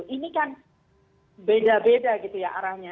ini kan beda beda arahnya